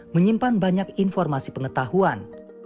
menyimpan banyak informasi pengetahuan